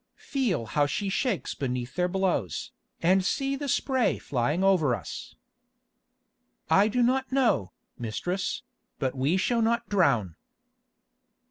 Feel how she shakes beneath their blows, and see the spray flying over us." "I do not know, mistress; but we shall not drown."